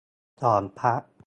สองพระ